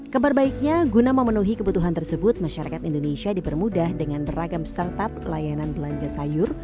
kabar baiknya guna memenuhi kebutuhan tersebut masyarakat indonesia dipermudah dengan beragam startup layanan belanja sayur